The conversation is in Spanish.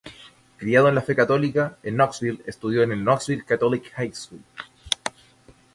Criado en la fe católica, en Knoxville estudió en la Knoxville Catholic High School.